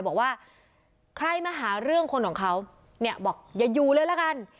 บอกว่าใครมาหาเรื่องคนของเขาเนี่ยบอกอย่าอยู่เลยละกัน